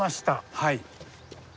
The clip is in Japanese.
はい。